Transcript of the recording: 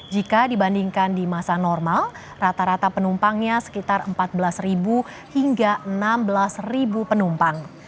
jika dibandingkan di masa normal rata rata penumpangnya sekitar empat belas hingga enam belas penumpang